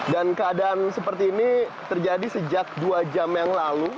dan keadaan seperti ini terjadi sejak dua jam yang lalu